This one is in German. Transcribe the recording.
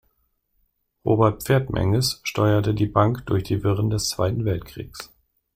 Robert Pferdmenges steuerte die Bank durch die Wirren des Zweiten Weltkrieges.